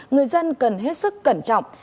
người dân cần hết sức cẩn trọng